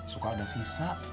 suka ada sisa